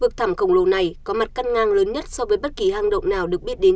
vực thảm khổng lồ này có mặt căn ngang lớn nhất so với bất kỳ hang động nào được biết đến